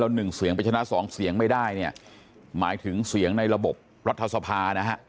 หนึ่งเสียงไปชนะสองเสียงไม่ได้เนี่ยหมายถึงเสียงในระบบรัฐสภานะฮะ